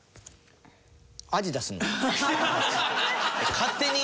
勝手に？